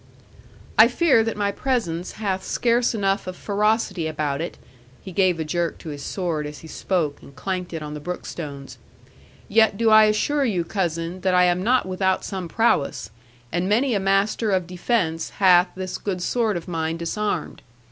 '"I fear that my presence hath scarce enough of ferocity about it," (he gave a jerk to his sword as he spoke, and clanked it on the brook stones); "yet do I assure you, cousin, that I am not without some prowess; and many a master of defence hath this good sword of mine disarmed.